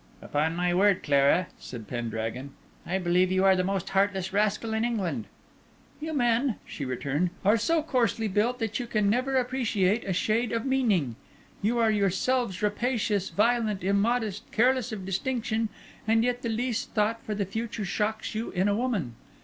"Upon my word, Clara," said Pendragon, "I believe you are the most heartless rascal in England." "You men," she returned, "are so coarsely built, that you can never appreciate a shade of meaning. You are yourselves rapacious, violent, immodest, careless of distinction; and yet the least thought for the future shocks you in a woman.